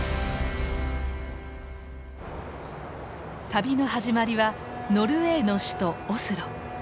旅の始まりはノルウェーの首都オスロ。